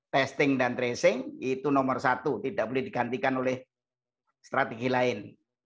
testing dan tracing itu nomor satu tidak boleh digantikan oleh strategi lain